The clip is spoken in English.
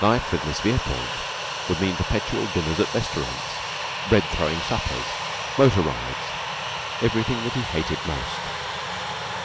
Life with Miss Verepoint would mean perpetual dinners at restaurants, bread throwing suppers, motor rides everything that he hated most.